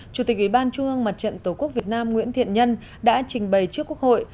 chủ tịch ủy ban trung ương mặt trận tổ quốc việt nam nguyễn thiện nhân đã trình bày trước quốc hội